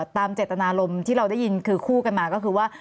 ตามเจตนารมณ์ที่เราได้ยินคือคู่กันมาก็คือว่า